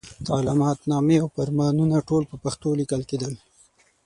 تعلماتنامې او فرمانونه ټول په پښتو لیکل کېدل.